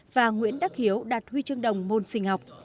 và nguyễn đắc hiếu đạt huy chương đồng môn sinh học